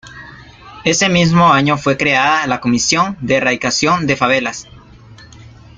Ese mismo año fue creada la Comisión de Erradicación de Favelas.